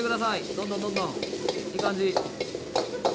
どんどんどんどんいい感じ